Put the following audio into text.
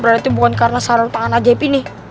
berarti bukan karena sarung tangan aja epi nih